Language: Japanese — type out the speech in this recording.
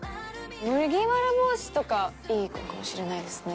麦わら帽子とかいいかもしれないですね。